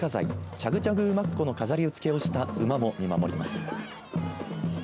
チャグチャグ馬コの飾り付けをした馬も見守ります。